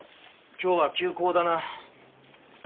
今日は休講だな。